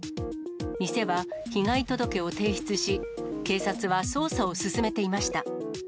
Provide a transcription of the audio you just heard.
店は被害届を提出し、警察は捜査を進めていました。